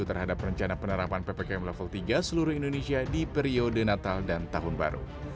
terhadap rencana penerapan ppkm level tiga seluruh indonesia di periode natal dan tahun baru